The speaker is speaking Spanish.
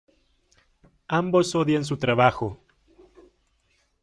Ambos odian su trabajo.